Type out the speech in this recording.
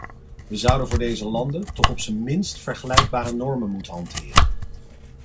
Wij zouden voor deze landen toch op zijn minst vergelijkbare normen moeten hanteren.